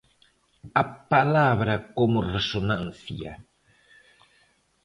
A palabra como resonancia.